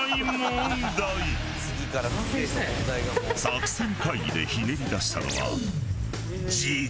作戦会議でひねり出したのは。